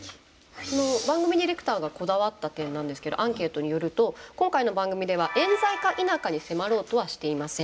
番組ディレクターがこだわった点なんですけどアンケートによると「今回の番組ではえん罪か否かに迫ろうとはしていません。